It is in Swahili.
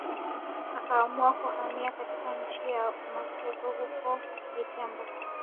Akaamua kuhamia katika nchi ya umatengo huko Litembo